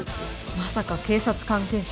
まさか警察関係者？